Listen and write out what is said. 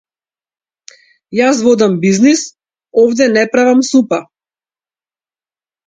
Јас водам бизнис овде не правам супа.